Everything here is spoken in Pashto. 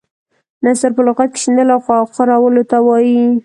نثر په لغت کې شیندلو او خورولو ته وايي.